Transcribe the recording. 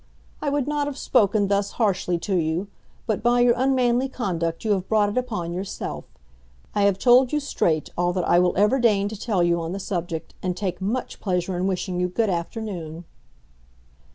I would not have spoken thus harshly to you, but by your unmanly conduct you have brought it upon yourself. I have told you straight all that I will ever deign to tell you on the subject, and take much pleasure in wishing you good afternoon."